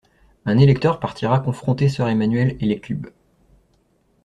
Un électeur partira confronter Soeur Emmanuelle et les cubes.